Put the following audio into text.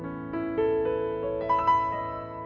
ขอต้อนรับครอบครัวน้องต้นไม้